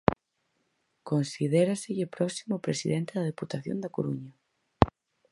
Considéraselle próximo ao presidente da Deputación da Coruña.